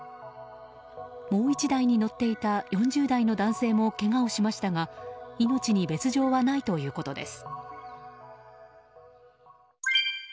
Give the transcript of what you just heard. もう１台に乗っていた４０代の男性もけがをしましたが命に別条はないということです。